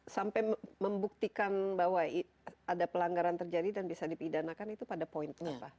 sampai membuktikan bahwa ada pelanggaran terjadi dan bisa dipidanakan itu pada poin apa